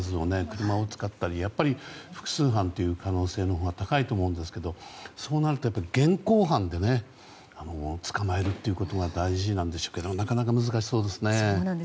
車を使ったりと複数犯の可能性も高いと思うんですけどそうなると現行犯で捕まえるということが大事なんでしょうけどなかなか難しそうですね。